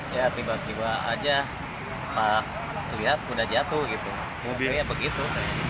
ya tiba tiba aja lihat udah jatuh gitu